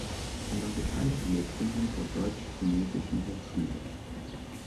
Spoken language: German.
Er war beteiligt an der Gründung der deutsch-chinesischen Hochschule.